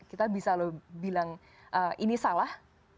kita bisa loh bilang ini salah